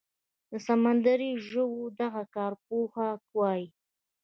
د سمندري ژویو دغه کارپوهه وايي